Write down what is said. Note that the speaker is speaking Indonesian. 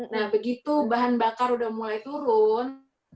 nah begitu bahan bakar udah mulai turun